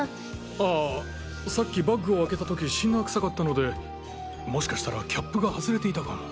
あぁさっきバッグを開けた時シンナー臭かったのでもしかしたらキャップがはずれていたかも。